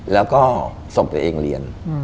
แล้วก็ส่งตัวเองเรียน